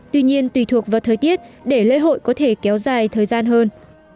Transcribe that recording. tuy nhiên tùy thuộc vào thời tiết để lễ hội có thể kéo dài thời gian hơn